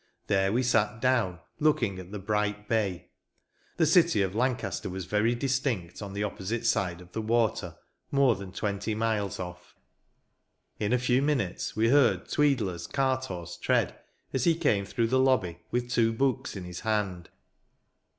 There we sat down, looking at the bright bay. The city of Lancaster was very distinct, on the opposite side of the water, more than twenty miles off. In a few minutes we heard " Tweedler's" cart horse tread, as he came through the lobby, with two books in his hand.